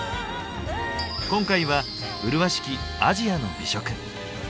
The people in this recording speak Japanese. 今回は麗しき「アジアの美食」。